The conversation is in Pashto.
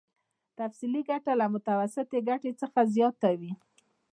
تفضيلي ګټه له متوسطې ګټې څخه زیاته وي